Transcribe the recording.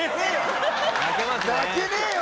泣けねえよ！